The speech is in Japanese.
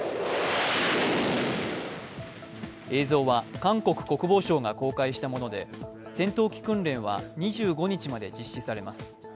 映像は韓国国防省が公開したもので戦闘機訓練は２５日まで実施されます。